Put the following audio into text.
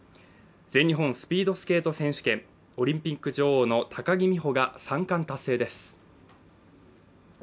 全日本スピードスケート選手権、オリンピック女王の高木美帆が３冠達成です。